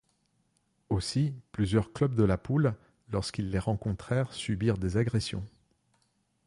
Aussi, plusieurs clubs de la poule, lorsqu’ils les rencontrèrent, subirent des agressions.